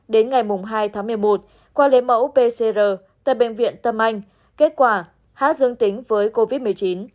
đến ngày hai tháng một mươi một qua lấy mẫu pcr tại bệnh viện tâm anh kết quả hát dương tính với covid một mươi chín